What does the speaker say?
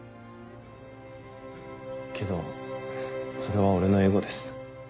けどそれは俺のエゴです。